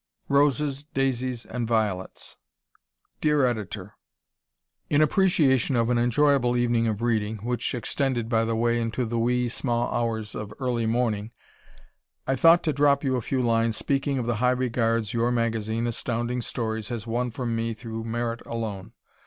Roses, Daisies and Violets Dear Editor: In appreciation of an enjoyable evening of reading which extended, by the way, into the wee, sma' hours of early morning I thought to drop you a few lines, speaking of the high regards your magazine. Astounding Stories, has won from me through merit alone.